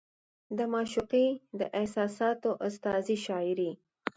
د معشوقې د احساساتو استازې شاعري